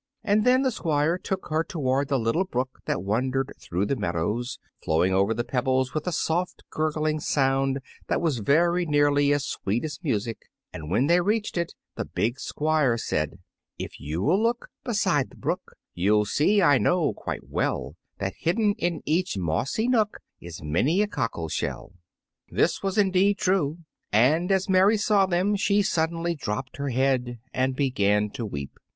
And then the Squire took her toward the little brook that wandered through the meadows, flowing over the pebbles with a soft, gurgling sound that was very nearly as sweet as music; and when they reached it the big Squire said, "If you will look beside the brook You'll see, I know quite well, That hidden in each mossy nook Is many a cockle shell." This was indeed true, and as Mary saw them she suddenly dropped her head and began to weep.